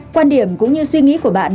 quan điểm cũng như suy nghĩ của bạn